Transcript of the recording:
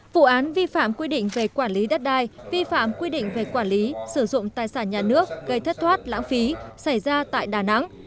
vụ án vi phạm quy định về quản lý đất đai vi phạm quy định về quản lý sử dụng tài sản nhà nước gây thất thoát lãng phí xảy ra tại đà nẵng